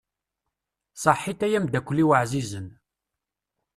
Saḥit ay amdakkel-iw ɛzizen.